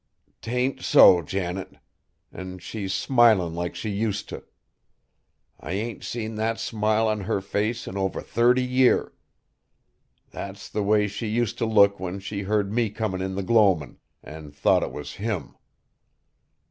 "'T ain't so, Janet! An' she's smilin' like she use t'. I ain't seen that smile on her face in over thirty year. That's the way she use t' look when she heard me comin' in the gloamin', an' thought it was him!